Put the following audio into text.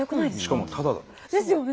しかもタダだって。ですよね。